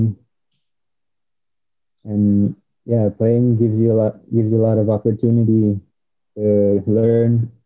dan ya mainan itu memberikan lu banyak kesempatan untuk belajar